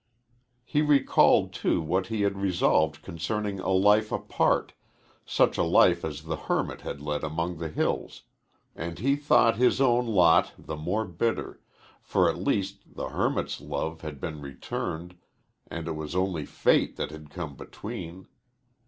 He recalled, too, what he had resolved concerning a life apart, such a life as the hermit had led among the hills, and he thought his own lot the more bitter, for at least the hermit's love had been returned and it was only fate that had come between.